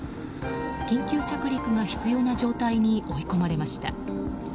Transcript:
緊急着陸が必要な状態に追い込まれました。